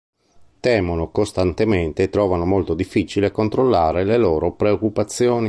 Temono costantemente e trovano molto difficile controllare le loro preoccupazioni.